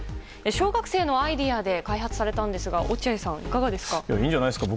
小学生のアイデアで開発されたんですがいいんじゃないですか。